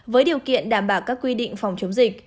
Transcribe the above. với điều kiện đảm bảo các quy định phòng chống dịch